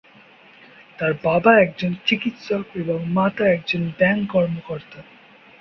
তার বাবা একজন চিকিৎসক এবং মাতা একজন ব্যাংক কর্মকর্তা।